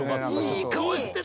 いい顔してた！